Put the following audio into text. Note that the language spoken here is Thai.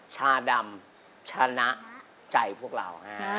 ชาดำชนะใจพวกเรา